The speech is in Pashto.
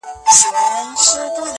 هره ټپه مي ځي میراته د لاهور تر کلي-